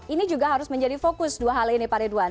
ini juga harus menjadi fokus dua hal ini pak ridwan